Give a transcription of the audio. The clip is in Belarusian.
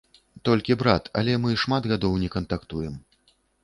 Толькі брат, але мы шмат гадоў не кантактуем.